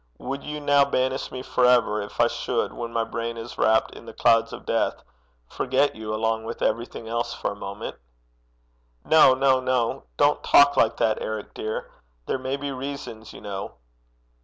Would you now banish me for ever, if I should, when my brain is wrapped in the clouds of death, forget you along with everything else for a moment?' 'No, no, no. Don't talk like that, Eric, dear. There may be reasons, you know.'